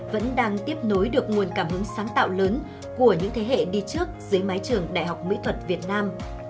vẫn đang tiếp nối được nguồn cảm hứng sáng tạo lớn của những thế hệ đi trước dưới mái trường đại học mỹ thuật việt nam